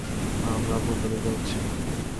আমরা ভূপাতিত হচ্ছি।